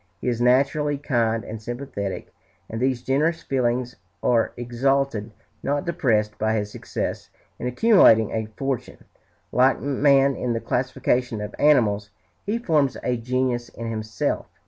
He is naturally kind and sympathetic, and these generous feelings are exalted, not depressed, by his success in accumulating a fortune.... Like man in the classification of animals, he forms a genus in himself.